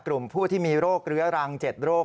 กลุ่มผู้ที่มีโรคเรื้อรัง๗โรค